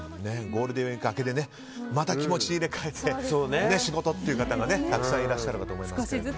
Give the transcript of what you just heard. ゴールデンウィーク明けでまた気持ち入れ替えて仕事っていう方がたくさんいらっしゃると思います。